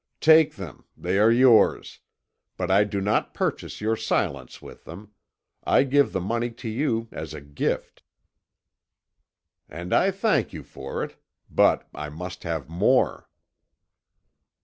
"Take them; they are yours. But I do not purchase your silence with them. I give the money to you as a gift." "And I thank you for it. But I must have more."